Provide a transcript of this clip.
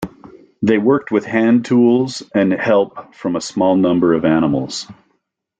They worked with hand tools and help from a small number of animals.